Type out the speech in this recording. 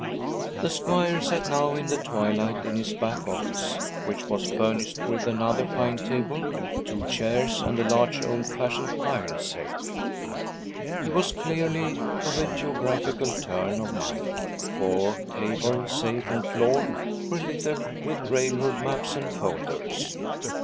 The squire sat now in the twilight in his 'back' office, which was furnished with another pine table, two chairs, and a large old fashioned iron safe. He was clearly of a geographical turn of mind, for table, safe, and floor were littered with railroad maps and folders.